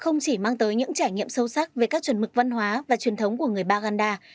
không chỉ mang tới những trải nghiệm sâu sắc về các chuẩn mực văn hóa và truyền thống của người baganda